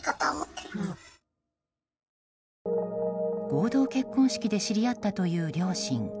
合同結婚式で知り合ったという両親。